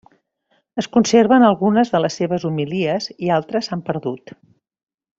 Es conserven algunes de les seves homilies i altres s'han perdut.